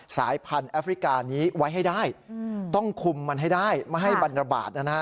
สายพันธุ์แอฟริกานี้ไว้ให้ได้ต้องคุมมันให้ได้ไม่ให้มันระบาดนะฮะ